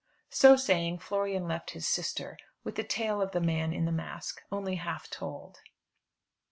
So saying Florian left his sister, with the tale of the man in the mask only half told.